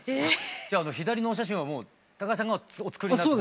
じゃあ左のお写真は高橋さんがお作りになった扉？